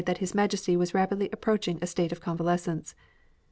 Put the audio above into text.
tliat His Majesty was rapidly approaching a state of convalescence.